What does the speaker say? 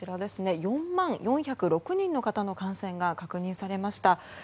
４万４０６人の方の感染が確認されました。